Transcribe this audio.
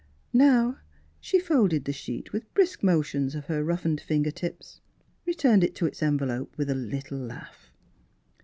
Now she folded the sheet with brisk motions of her roughened finger tips, returned it to its envelope with a little laugh.